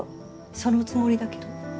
そのつもりだけど。